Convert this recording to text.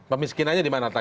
pemiskinannya dimana pak